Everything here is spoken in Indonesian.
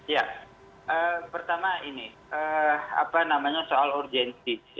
ya pertama ini soal urgensi